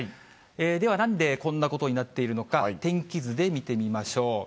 では、なんでこんなことになっているのか、天気図で見てみましょう。